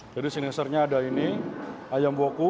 jadi sinisernya ada ini ayam woku